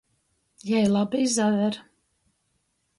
Jei labi izaver.